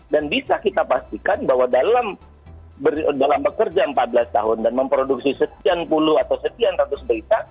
dan bisa kita pastikan bahwa dalam bekerja empat belas tahun dan memproduksi setian puluh atau setian ratus berita